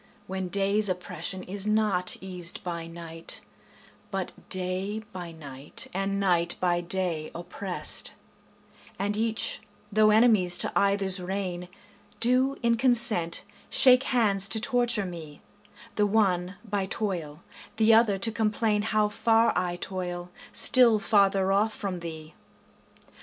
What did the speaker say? When day's oppression is not eas'd by night, But day by night and night by day oppress'd, And each, though enemies to either's reign, Do in consent shake hands to torture me, The one by toil, the other to complain How far I toil, still farther off from thee.